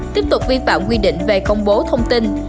tiếp tục vi phạm quy định về công bố thông tin